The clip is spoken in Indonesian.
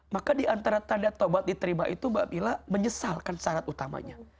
maka di antara tanda taubat diterima itu mbak bila menyesalkan syarat utamanya